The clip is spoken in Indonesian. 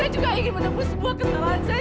saya juga ingin menembus sebuah kesalahan saya